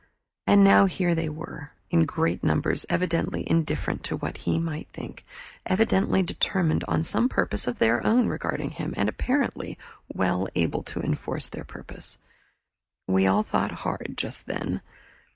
And now here they were, in great numbers, evidently indifferent to what he might think, evidently determined on some purpose of their own regarding him, and apparently well able to enforce their purpose. We all thought hard just then.